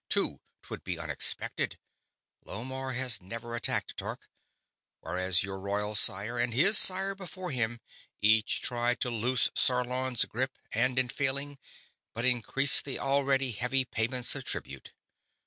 Too, 'twould be unexpected. Lomarr has never attacked Tark, whereas your royal sire and his sire before him each tried to loose Sarlon's grip and, in failing, but increased the already heavy payments of tribute.